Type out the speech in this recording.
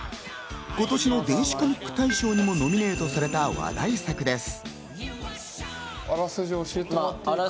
今年の電子コミック大賞にもノミネートされた話題作です。